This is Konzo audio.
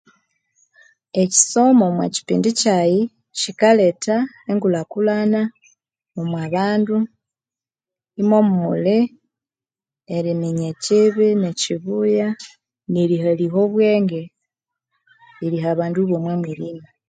Ekyisomo omwa kyipindi kyaghe kyikaletha engulhakulhana omwa bandu imwo muli eriminya ekyibi nekyibuya nerihaliha obwenge eriha abandu bomo mwirima.